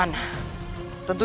rijkan selamatkan diri sekalian